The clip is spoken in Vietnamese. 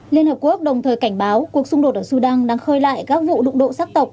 liên hợp quốc đồng thời cảnh báo cuộc xung đột ở sudan đang khơi lại các vụ đụng độ sắc tộc